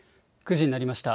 ９時になりました。